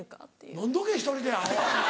飲んどけ１人でアホ。